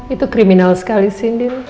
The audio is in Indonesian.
itu kriminal sekali sih indin